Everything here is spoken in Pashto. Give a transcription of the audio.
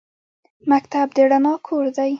مکتب د رڼا کور دی